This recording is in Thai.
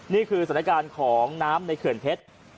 นี่คือสถานการณ์ของน้ำในเขื่อนเพชร